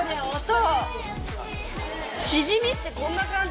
チヂミってこんな感じ？